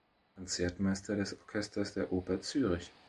Konzertmeister des Orchesters der Oper Zürich.